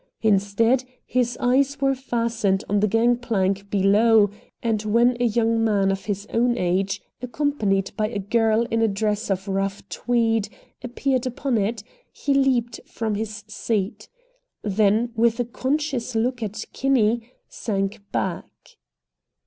Instead, his eyes were fastened on the gangplank below, and when a young man of his own age, accompanied by a girl in a dress of rough tweed, appeared upon it, he leaped from his seat. Then with a conscious look at Kinney, sank back.